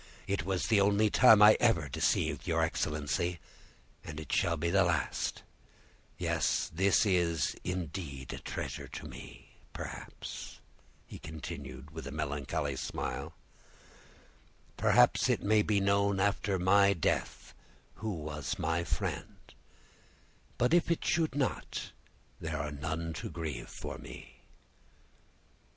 It was the only time I ever deceived your excellency, and it shall be the last; yes, this is, indeed, a treasure to me; perhaps," he continued, with a melancholy smile, "it may be known after my death who was my friend; but if it should not, there are none to grieve for me."